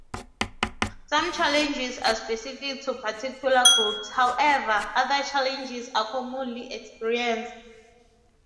Some challenges are specific to particular groups; however, other challenges are commonly experienced.